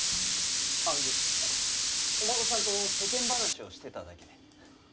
あっいえお孫さんと世間話をしてただけで。